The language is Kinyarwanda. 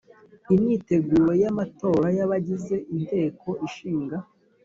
imyiteguro y amatora y Abagize Inteko Ishinga